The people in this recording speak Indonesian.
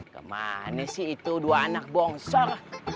kemana sih itu dua anak bongsor